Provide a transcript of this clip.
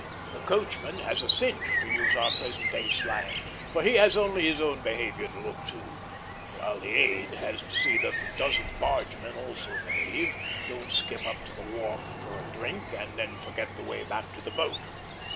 A coachman has a "cinch," to use our present day slang; for he has only his own behavior to look to, while the aide has to see that the dozen bargemen also behave, don't skip up the wharf for a drink, and then forget the way back to the boat.